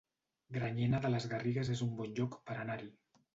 Granyena de les Garrigues es un bon lloc per anar-hi